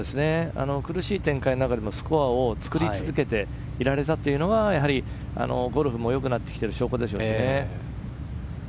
苦しい展開の中でもスコアを作り続けていられたというのはゴルフも良くなってきている証拠ですね。